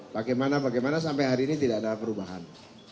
bagaimana bagaimana sampai hari ini tidak ada perubahan